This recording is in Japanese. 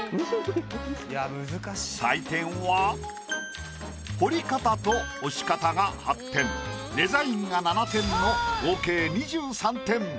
採点は彫り方と押し方が８点デザインが７点の合計２３点。